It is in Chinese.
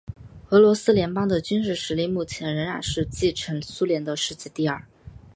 俄罗斯联邦的军事实力目前仍然是继承苏联的世界第二。